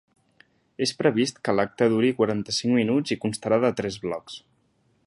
És previst que l’acte duri quaranta-cinc minuts i constarà de tres blocs.